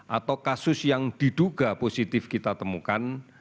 atau kasus yang diduga positif kita temukan